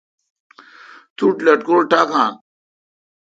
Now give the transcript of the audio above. تو ٹھ لٹکور ٹاکان۔